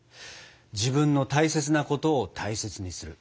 自分の大切なことを大切にする。